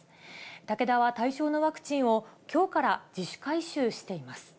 武田は対象のワクチンをきょうから自主回収しています。